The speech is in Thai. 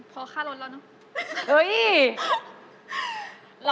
พอค่ารถแล้วเนอะ